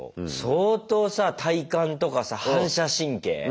相当さ体幹とかさ反射神経？